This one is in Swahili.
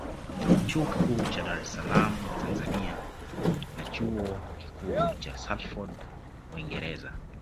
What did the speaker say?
Chuo Kikuu cha DaresSalaam Tanzania na Chuo Kikuucha Salford uingereza